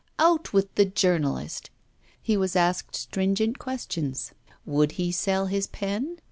Out with the journalist! He was asked stringent questions. Would he sell his pen?